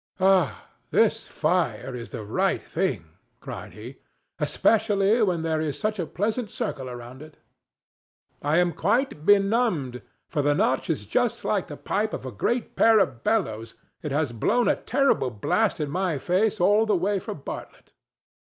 "Ah! this fire is the right thing," cried he, "especially when there is such a pleasant circle round it. I am quite benumbed, for the Notch is just like the pipe of a great pair of bellows; it has blown a terrible blast in my face all the way from Bartlett."